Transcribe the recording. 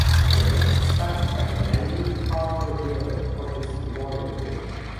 The inlet is spanned by the Marine Parkway-Gil Hodges Memorial Bridge.